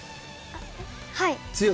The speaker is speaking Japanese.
強い？